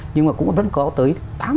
nhưng mà cũng vẫn có tới năm mươi